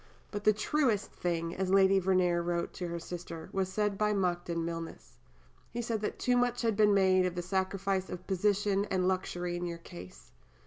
But "the truest thing," as Lady Verney wrote to her sister, "was said by Monckton Milnes. He said that too much had been made of the sacrifice of position and luxury in your case."